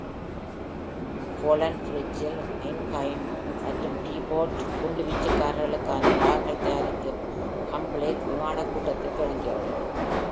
ஃபோலாண்ட் Bristol Blenheim மற்றும் Beaufort குண்டுவீச்சுக்காரர்களுக்கான பாகங்கள் தயாரிக்கும் ஹம்பிளில் விமானக் கூட்டத்தைத் தொடங்கியது.